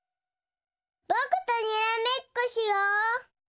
ぼくとにらめっこしよう！